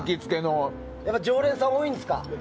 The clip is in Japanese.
常連さん多いんですか？